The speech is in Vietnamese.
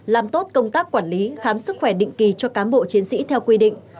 làm tốt công tác quản lý khám sức khỏe định kỳ cho cám bộ chiến sĩ theo quy định